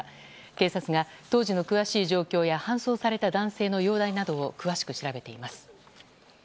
警察が当時の詳しい状況や搬送された男性の容体などを詳しく調べています。